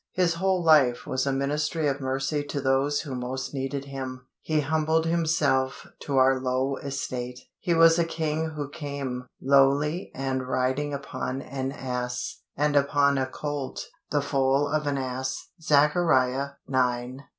His whole life was a ministry of mercy to those who most needed Him. He humbled Himself to our low estate. He was a King who came "lowly, and riding upon an ass, and upon a colt, the foal of an ass" (Zech. ix. 9).